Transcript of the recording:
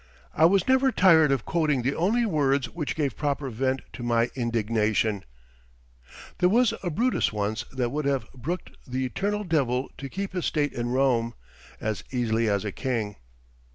I was never tired of quoting the only words which gave proper vent to my indignation: "There was a Brutus once that would have brooked Th' eternal devil to keep his state in Rome As easily as a king."